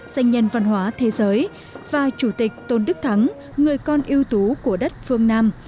danh nhân văn hóa thế giới và chủ tịch tôn đức thắng người con yêu tú của đất phương nam